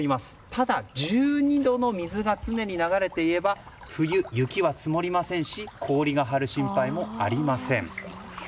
ただ１２度の水が常に流れていれば冬、雪は積もりませんし氷が張る心配もありません。